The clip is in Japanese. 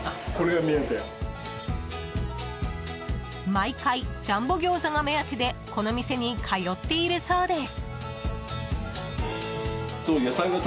毎回ジャンボギョーザが目当てでこの店に通っているそうです。